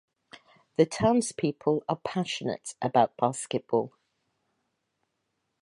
The townspeople are passionate about basketball.